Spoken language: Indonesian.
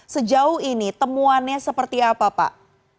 sejauh ini temuannya seperti apa pak